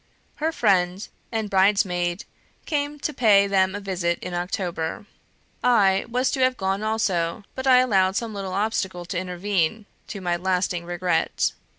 Her friend and bridesmaid came to pay them a visit in October. I was to have gone also, but I allowed some little obstacle to intervene, to my lasting regret.